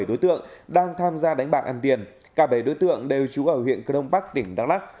bảy đối tượng đang tham gia đánh bạc ăn tiền cả bảy đối tượng đều trú ở huyện cơ đông bắc tỉnh đắk lắc